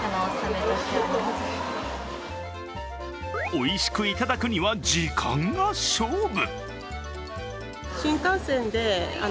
おいしくいただくには時間が勝負。